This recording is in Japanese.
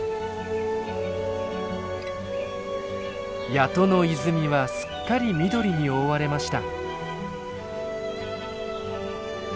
谷戸の泉はすっかり緑に覆われました。